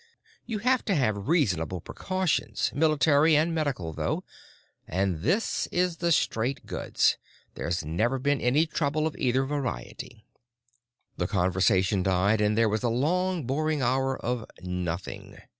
You have to have reasonable precautions, military and medical, though—and this is the straight goods—there's never been any trouble of either variety." The conversation died and there was a long, boring hour of nothing.